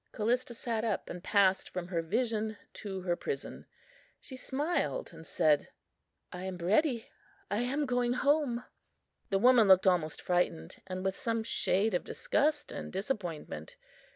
Callista sat up, and passed from her vision to her prison. She smiled and said, "I am ready; I am going home." The woman looked almost frightened, and with some shade of disgust and disappointment.